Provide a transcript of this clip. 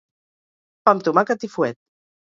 Pa amb tomàquet i fuet.